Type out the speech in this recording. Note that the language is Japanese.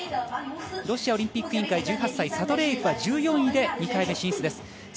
ロシアオリンピック委員会１８歳、サドレーエフは１４位で２回目進出です。